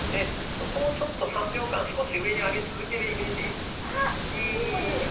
そこをちょっと３秒間少し上に上げ続けるイメージで１２３。